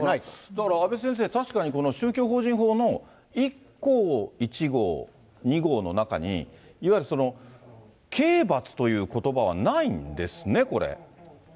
だから、阿部先生、確かに宗教法人法の１項１号、２号の中に、いわゆる刑罰ということばはないんですね、これ。